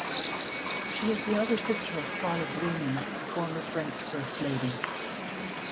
She is the elder sister of Carla Bruni, the former French First Lady.